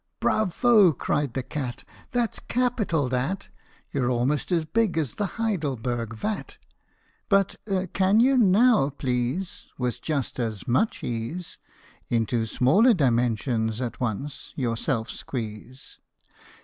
" Bravo !" cried the cat ;" that 's capital, that ! You 're almost as big as the Heidelberg vat ! But can you now, please, with just as much ease Into smaller dimensions at once yourself squeeze